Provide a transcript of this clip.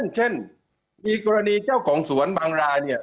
เช่นมีกรณีเจ้าของสวนบางรายเนี่ย